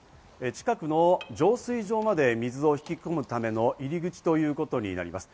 近くの浄水場まで水を引き込むための入り口ということになります。